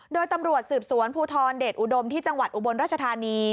โดยตำรวจสืบสวนภูทรเดชอุดมที่จังหวัดอุบลราชธานี